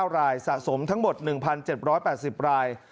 รายสะสมทั้งหมด๑๗๘๐ราย